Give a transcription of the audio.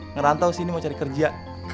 ngerantau sini mau cari kerja